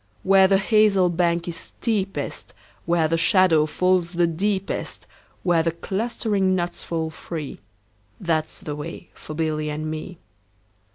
Where the hazel bank is steepest, Where the shadow falls the deepest, Where the clustering nuts fall free, 15 That 's the way for Billy and me.